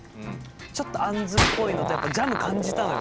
ちょっとあんずっぽいのとやっぱジャム感じたのよ